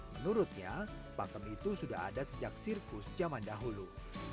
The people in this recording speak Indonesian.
menurutnya pakem itu sudah ada sejak sirkus zaman dahulu